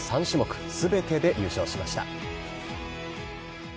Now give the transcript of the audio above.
３種目すべてで優勝しました。